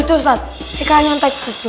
itu ustadz ikan yang takut